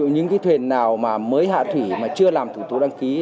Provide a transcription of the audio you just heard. những cái thuyền nào mà mới hạ thủy mà chưa làm thủ tục đăng ký